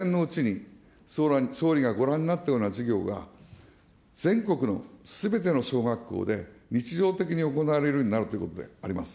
いずれ数年のうちに、総理がご覧になったような授業が、全国のすべての小学校で日常的に行われるようになるということであります。